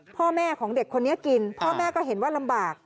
พ่อแม่ของเด็กคนนี้กินพ่อแม่ก็เห็นว่าลำบาก